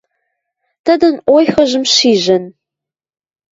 Тӹдӹн ойхым шижӹн